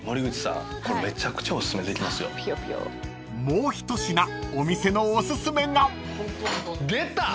［もう一品お店のおすすめが］出た！